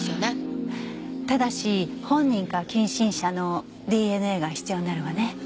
ただし本人か近親者のＤＮＡが必要になるわね。